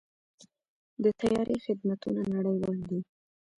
د طیارې خدمتونه نړیوال دي.